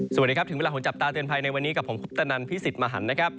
สวัสดีครับถึงเวลาของจับตาเตือนภัยในวันนี้กับผมคุปตนันพิสิทธิ์มหันนะครับ